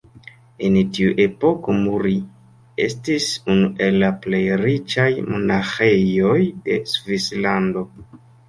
En tiu epoko Muri estis unu el la plej riĉaj monaĥejoj de Svislando.